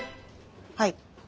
はい。